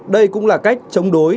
đây cũng là cách chống đối